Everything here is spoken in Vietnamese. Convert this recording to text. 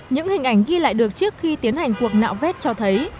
những hình ảnh ghi lại được trước khi tiến hành cuộc nạo vét cho thấy